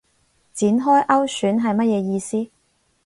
展開勾選係乜嘢意思